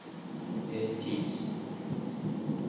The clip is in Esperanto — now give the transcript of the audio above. petis